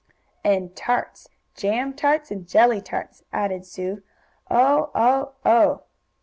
"And tarts jam tarts and jelly tarts!" added Sue. "Oh! oh! oh!"